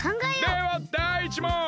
ではだい１もん！